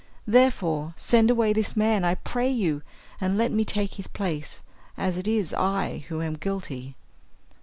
Therefore send away this man, I pray you, and let me take his place, as it is I who am guilty."